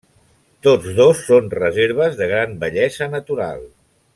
Tots dos són reserves de gran bellesa natural.